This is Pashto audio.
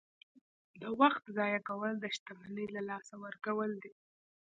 • د وخت ضایع کول د شتمنۍ له لاسه ورکول دي.